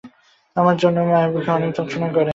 আমার মায়ের বুকে অনেক যন্ত্রণা করে।